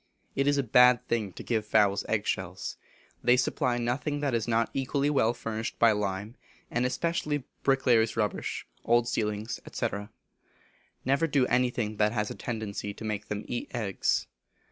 It is a bad thing to give fowls egg shells. They supply nothing that is not equally well furnished by lime, and especially bricklayers' rubbish, old ceilings, &c. Never do anything that has a tendency to make them eat eggs.